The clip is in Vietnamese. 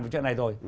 với chợ này rồi